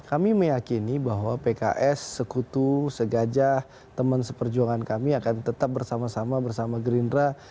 kami meyakini bahwa pks sekutu segajah teman seperjuangan kami akan tetap bersama sama bersama gerindra